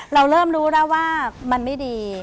เราเริ่มรู้แล้วว่ามันไม่ดี